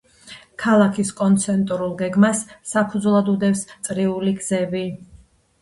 ქალაქის კონცენტრულ გეგმას საფუძვლად უდევს წრიული გზები.